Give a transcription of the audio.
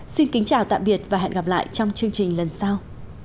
xin kính chào tạm biệt và hẹn gặp lại trong chương trình lần sau